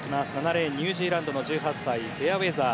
７レーンはニュージーランドのエリカ・フェアウェザー。